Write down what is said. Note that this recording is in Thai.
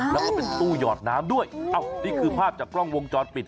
แล้วก็เป็นตู้หยอดน้ำด้วยเอ้านี่คือภาพจากกล้องวงจรปิด